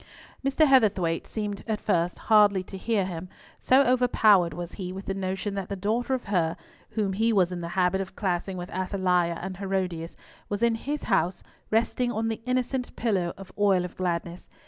Mr. Heatherthwayte seemed at first hardly to hear him, so overpowered was he with the notion that the daughter of her, whom he was in the habit of classing with Athaliah and Herodias, was in his house, resting on the innocent pillow of Oil of Gladness.